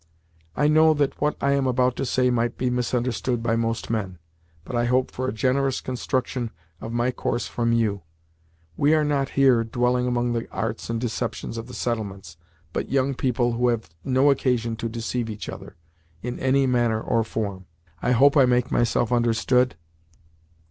I know that what I am about to say might be misunderstood by most men, but I hope for a generous construction of my course from you. We are not here, dwelling among the arts and deceptions of the settlements, but young people who have no occasion to deceive each other, in any manner or form. I hope I make myself understood?"